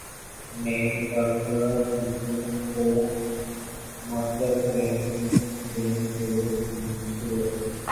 نے متعلقہ ججوں کو مرتد یعنی دین سے منحرف